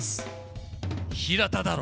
「平田だろ！」。